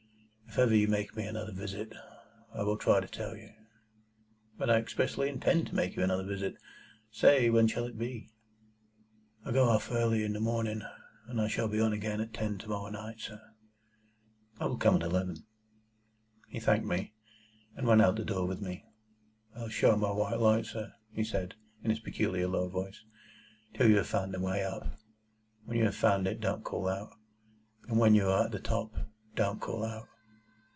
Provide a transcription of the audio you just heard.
If ever you make me another visit, I will try to tell you." "But I expressly intend to make you another visit. Say, when shall it be?" "I go off early in the morning, and I shall be on again at ten to morrow night, sir." "I will come at eleven." He thanked me, and went out at the door with me. "I'll show my white light, sir," he said, in his peculiar low voice, "till you have found the way up. When you have found it, don't call out! And when you are at the top, don't call out!"